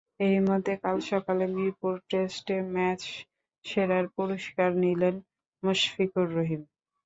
এরই মধ্যে কাল সকালে মিরপুর টেস্টে ম্যাচ-সেরার পুরস্কার নিলেন মুশফিকুর রহিম।